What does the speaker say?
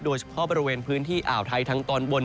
โดยเฉพาะบริเวณพื้นที่อ่าวไทยทางตอนบน